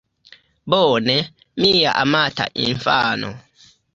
Bone, mia amata infano?